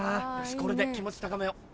これで気持ち高めよう。